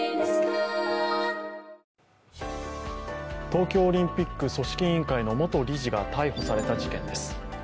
東京オリンピック組織委員会の元理事が逮捕された事件です。